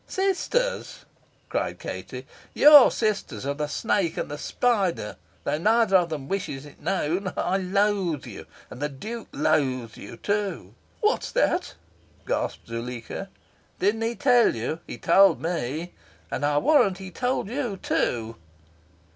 "Sisters?" cried Katie. "Your sisters are the snake and the spider, though neither of them wishes it known. I loathe you. And the Duke loathed you, too." "What's that?" gasped Zuleika. "Didn't he tell you? He told me. And I warrant he told you, too."